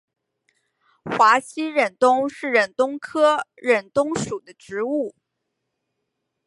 华西忍冬是忍冬科忍冬属的植物。